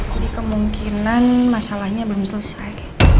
jadi kemungkinan masalahnya belum selesai